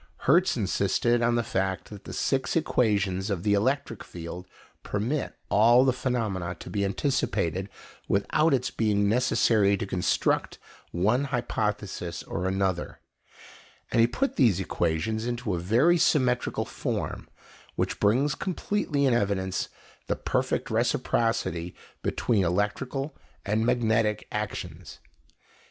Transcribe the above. Hertz insisted on the fact that the six equations of the electric field permit all the phenomena to be anticipated without its being necessary to construct one hypothesis or another, and he put these equations into a very symmetrical form, which brings completely in evidence the perfect reciprocity between electrical and magnetic actions.